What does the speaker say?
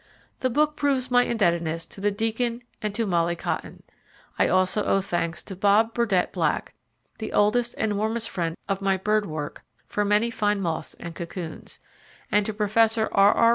The book proves my indebtedness to the Deacon and to Molly Cotton. I also owe thanks to Bob Burdette Black, the oldest and warmest friend of my bird work, for many fine moths and cocoons, and to Professor R. R.